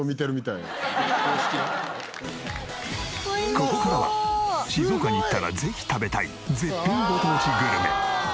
ここからは静岡に行ったらぜひ食べたい絶品ご当地グルメ。